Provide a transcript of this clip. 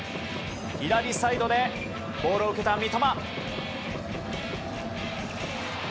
左サイドでボールを受けた三笘。